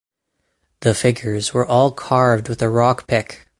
The figures were all carved with a rock pick.